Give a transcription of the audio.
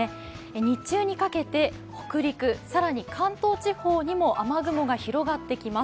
日中にかけて、北陸、更に関東地方にも雨雲が広がっていきます。